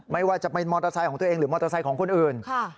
ไม่ว่าจะเป็นมอเตอร์ไซค์ของตัวเองหรือมอเตอร์ไซค์ของคนอื่น